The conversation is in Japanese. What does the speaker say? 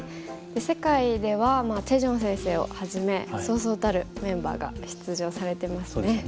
世界ではチェ・ジョン先生をはじめそうそうたるメンバーが出場されてますね。